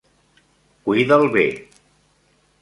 Cuida'l bé.